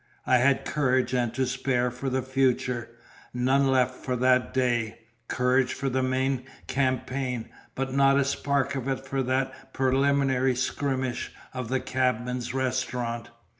I had courage and to spare for the future, none left for that day; courage for the main campaign, but not a spark of it for that preliminary skirmish of the cabman's restaurant.